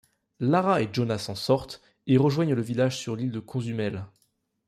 Lara et Jonah s’en sortent et rejoignent le village sur l'île de Cozumel.